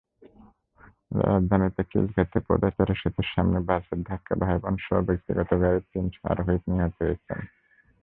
রাজধানীর খিলক্ষেতে পদচারী-সেতুর সামনে বাসের ধাক্কায় ভাইবোনসহ ব্যক্তিগত গাড়ির তিন আরোহী নিহত হয়েছেন।